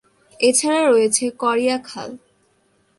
এছাড়া রয়েছে করিয়া খাল।